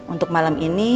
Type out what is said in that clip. untuk malam ini